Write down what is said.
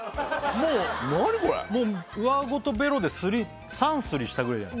もう上顎とベロで３すりしたぐらいじゃない？